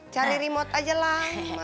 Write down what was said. cari remote aja lah